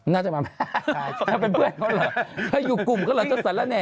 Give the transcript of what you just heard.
น่าจะมาไม่ทัน